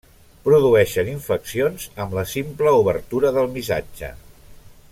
Produeixen infeccions amb la simple obertura del missatge.